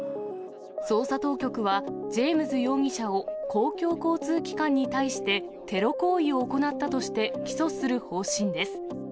捜査当局は、ジェームズ容疑者を、公共交通機関に対してテロ行為を行ったとして起訴する方針です。